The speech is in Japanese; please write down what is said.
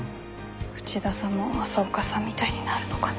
内田さんも朝岡さんみたいになるのかな。